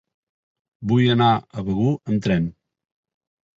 Vull anar a Begur amb tren.